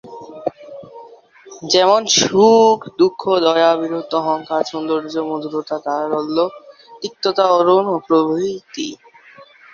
যেমন: সুখ, দুঃখ, দয়া, বীরত্ব, অহংকার, সৌন্দর্য, মধুরতা, তারল্য, তিক্ততা, তারুণ্য প্রভৃতি।